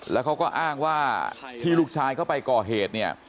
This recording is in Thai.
แล้วเขาก็อ้างว่าที่ลูกชายเขาไปก่อเหตุเนี่ย